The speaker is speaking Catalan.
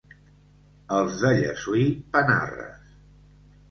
Els de Llessui, panarres.